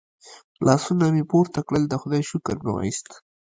لاسونه مې پورته کړل د خدای شکر مو وایست.